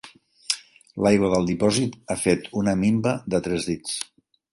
L'aigua del dipòsit ha fet una minva de tres dits.